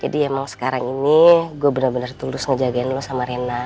jadi emang sekarang ini gue bener bener tulus ngejagain lo sama rena